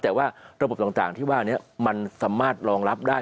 แต่ว่าระบบต่างที่ว่านี้มันสามารถรองรับได้